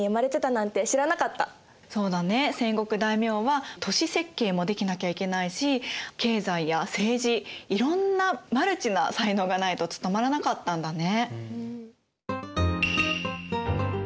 戦国大名は都市設計もできなきゃいけないし経済や政治いろんなマルチな才能がないと務まらなかったんだね。